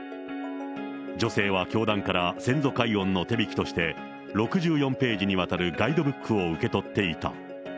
女性は教団から先祖解怨の手引として６４ページにわたるガイドブックを受け取っていた。